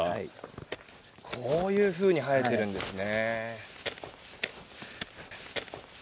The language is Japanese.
こういうふうに生えているんですね。